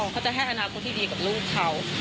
เขาจะให้อนาคตที่ดีกับลูกเขา